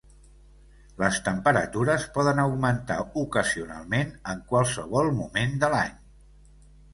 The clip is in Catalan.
Les temperatures poden augmentar ocasionalment en qualsevol moment de l'any.